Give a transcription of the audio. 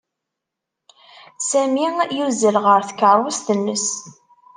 Sami yuzzel ɣer tkeṛṛust-nnes.